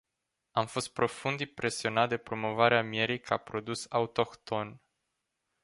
Am fost profund impresionat de promovarea mierii ca produs autohton.